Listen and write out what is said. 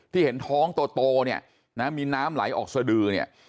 เห็นท้องโตเนี่ยนะมีน้ำไหลออกสดือเนี่ย